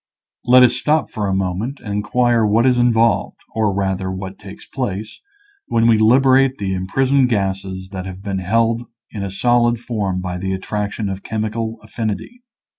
Let us stop a moment and inquire what is involved, or rather what takes place, when we liberate the imprisoned gases that have been held in a solid form by the attraction of chemical affinity.